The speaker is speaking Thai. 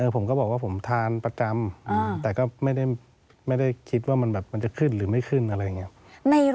ผมก็บอกว่าผมทานประจำแต่ก็ไม่ได้คิดว่ามันจะขึ้นหรือไม่ขึ้นอะไรอย่างนี้